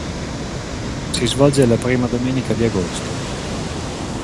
Si svolge la prima domenica di agosto.